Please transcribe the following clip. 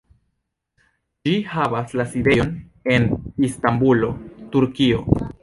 Ĝi havas la sidejon en Istanbulo, Turkio.